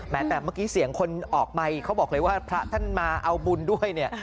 แต่เมื่อกี้เสียงคนออกไมค์เขาบอกเลยว่าพระท่านมาเอาบุญด้วยเนี่ย